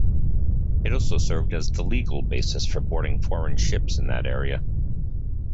It also served as the legal basis for boarding foreign ships in that area.